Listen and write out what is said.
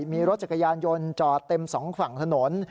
มีรถจักรยานยนต์จอดเต็มสองฝั่งถนน